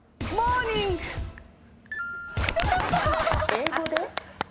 英語で？